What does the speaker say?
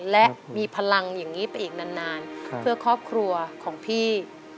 และมีพลังอย่างนี้ไปอีกนานเพื่อครอบครัวของพี่